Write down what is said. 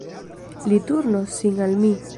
Li turnos sin al mi.